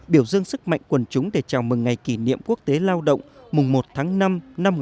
biểu dương sức mạnh quần chúng để chào mừng ngày kỷ niệm quốc tế lao động mùng một tháng năm năm một nghìn chín trăm bốn mươi